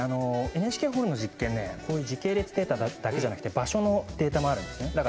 ＮＨＫホールの実験は、こういう時系列データだけじゃなくて場所のデータもあるんです。